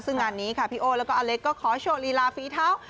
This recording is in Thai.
ซึ่งงานนี้ค่ะพี่โอ้แล้วก็อเล็กก็ขอโชว์ลีลาฝีเท้า